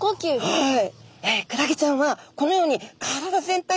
はい。